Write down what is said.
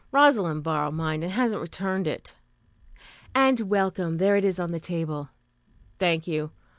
Rosalind borrowed mine and hasn't returned it." "And welcome. There it is on the table." "Thank you.